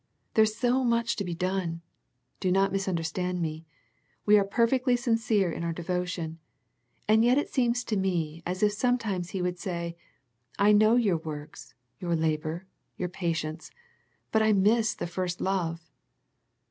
There is so much to be done. Do not misun derstand me. We are perfectly sincere in our devotion, and yet it seems to me as if some times He would say I know your works, your labour, your patience, but I miss the 50 A First Century Message first love."